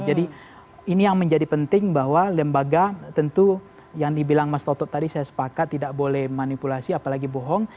jadi ini yang menjadi penting bahwa lembaga tentu yang dibilang mas toto tadi saya sepakat tidak boleh manipulasi apalagi bohong